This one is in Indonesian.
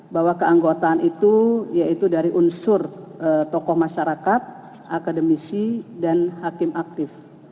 bahwa keanggotaan itu yaitu dari unsur tokoh masyarakat akademisi dan hakim aktif